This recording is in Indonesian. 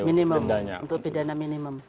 minimum untuk pidana minimum